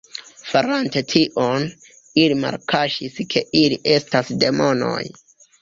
Farante tion, ili malkaŝis ke ili estas demonoj.